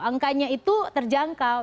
angkanya itu terjangkau